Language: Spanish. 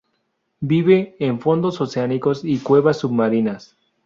Viven en fondos oceánicos y cuevas submarinas.